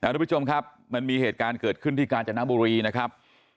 ทุกผู้ชมครับมันมีเหตุการณ์เกิดขึ้นที่กาญจนบุรีนะครับ